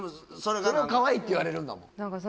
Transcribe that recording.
それをかわいいって言われるんだもん